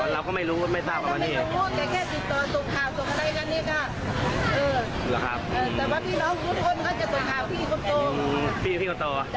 แต่ว่าไม่เอาโฮสิกรรมให้หรอกแต่ว่าหน้านี่ก็ให้ประกันที่นี่